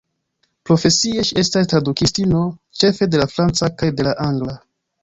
Profesie ŝi estas tradukistino, ĉefe de la franca kaj de la angla.